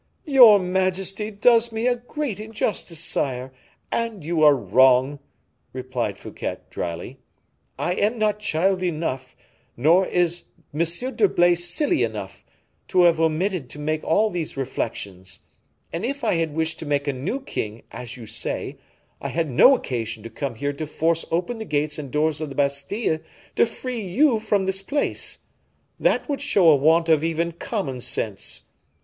"Your majesty does me a great injustice, sire; and you are wrong," replied Fouquet, dryly; "I am not child enough, nor is M. d'Herblay silly enough, to have omitted to make all these reflections; and if I had wished to make a new king, as you say, I had no occasion to have come here to force open the gates and doors of the Bastile, to free you from this place. That would show a want of even common sense.